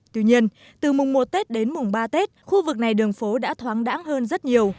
tuy nhiên từ mùng một tết đến mùng ba tết khu vực này đường phố đã thoáng đáng hơn rất nhiều